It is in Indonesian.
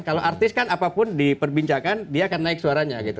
kalau artis kan apapun diperbincangkan dia akan naik suaranya gitu